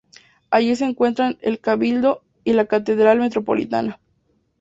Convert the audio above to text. Allí se encuentran el Cabildo y la Catedral Metropolitana.